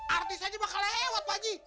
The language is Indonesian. artis aja bakal lewat pak haji